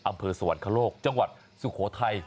อำเภอสวรรคโลกจังหวัดสุโขทัย